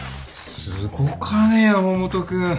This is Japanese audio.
すごかね山本君。